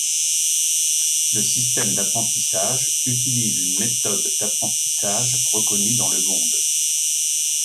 Le système d'apprentissage utilise une méthode d’apprentissage reconnue dans le monde.